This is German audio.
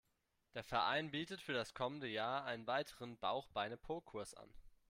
Der Verein bietet für das kommende Jahr einen weiteren Bauch-Beine-Po-Kurs an.